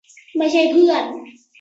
ไม่ใช่เพื่อน